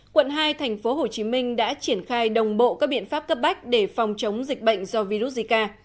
quận hai thành phố hồ chí minh đã triển khai đồng bộ các biện pháp cấp bách để phòng chống dịch bệnh do virus zika